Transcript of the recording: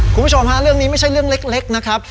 คุณผู้ชมฮะเรื่องนี้ไม่ใช่เรื่องเล็กนะครับ